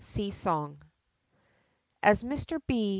SEA SONG. As Mister B.